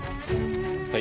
はい。